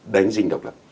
đánh rình độc lập